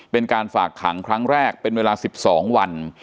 เป็นการฝากขังครั้งแรกเป็นเวลา๑๒วัน